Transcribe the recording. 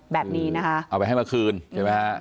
แบบนี้นะคะเอาไปให้เมื่อคืนใช่ไหมฮะ